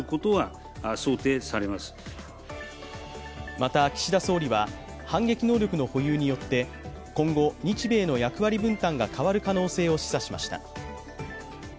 また、岸田総理は反撃能力の保有によって今後、日米の役割分担が変わる可能性を示唆しました。